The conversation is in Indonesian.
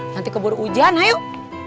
nanti keburu hujan yuk